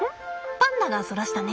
パンダがそらしたね。